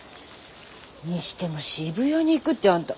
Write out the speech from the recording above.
にしても渋谷に行くってあんた。